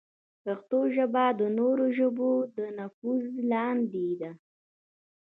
پښتو ژبه د نورو ژبو د نفوذ لاندې ده.